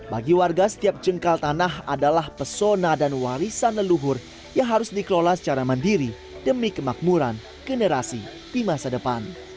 bagi warga setiap jengkal tanah adalah pesona dan warisan leluhur yang harus dikelola secara mandiri demi kemakmuran generasi di masa depan